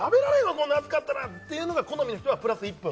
「こんな熱かったら」っていうのが好みの人はプラス１分？